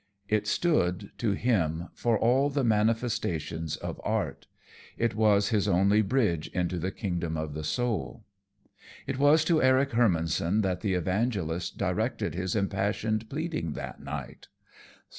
It stood, to him, for all the manifestations of art; it was his only bridge into the kingdom of the soul. It was to Eric Hermannson that the evangelist directed his impassioned pleading that night.